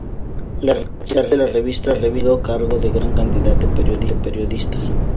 La redacción de la revista ha ido a cargo de gran cantidad de periodistas.